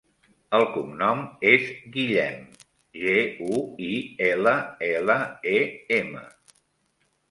El cognom és Guillem: ge, u, i, ela, ela, e, ema.